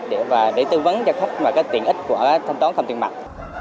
để tư vấn cho khách về tiện ích của thanh toán không tiền mặt